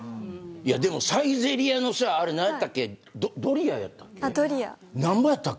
でも、サイゼリヤの何やったけドリアやったっけ。